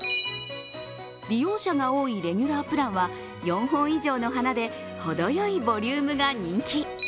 利用者が多いレギュラープランは４本以上の花で程よいボリュームが人気。